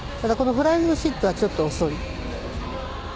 このフライングシットはちょっと遅い。